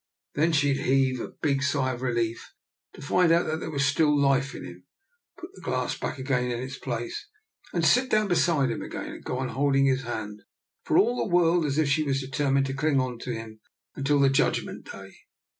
Then she'd heave a big sigh of relief to find that there was still life in him, put the glass back in its place, and sit down beside him again, and go on hold ing his hand, for all the world as if she was determined to cling on to him until the Judgment Day.